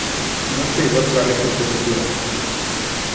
Nu știu exact care este procedura.